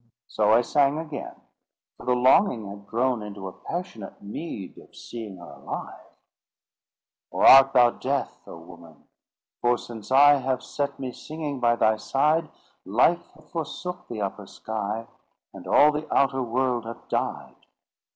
So I sang again; for the longing had grown into a passionate need of seeing her alive— "Or art thou Death, O woman? for since I Have set me singing by thy side, Life hath forsook the upper sky, And all the outer world hath died.